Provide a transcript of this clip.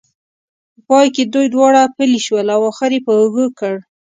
په پای کې دوی دواړه پلي شول او خر یې په اوږو کړ.